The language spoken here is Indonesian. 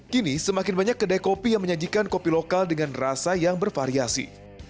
kini semakin banyak kedai kopi yang menyajikan kopi lokal dengan rasa yang bervariasi